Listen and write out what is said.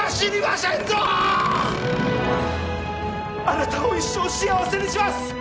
あなたを一生幸せにします。